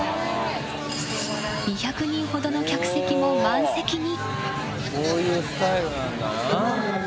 ２００人ほどの客席も満席に。